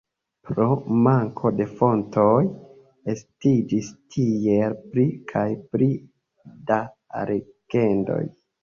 Pro manko de fontoj, estiĝis tiel pli kaj pli da legendoj.